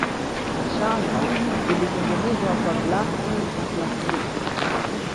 Shanga zilitengenezwa kwa glasi na plastiki